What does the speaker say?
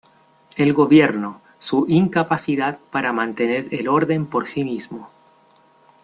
El Gobierno, su incapacidad para mantener el orden por sí mismo.